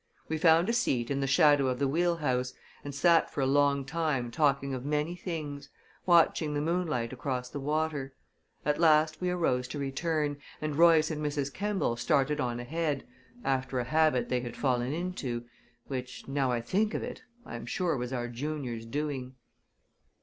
We found a seat in the shadow of the wheel house, and sat for a long time talking of many things, watching the moonlight across the water. At last we arose to return, and Royce and Mrs. Kemball started on ahead, after a habit they had fallen into, which, now I think of it, I am sure was our junior's doing.